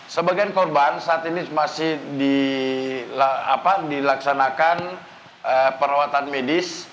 sebagian korban saat ini masih dilaksanakan perawatan medis